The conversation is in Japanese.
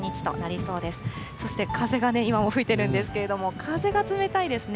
そして風が今も吹いてるんですけれども、風が冷たいですね。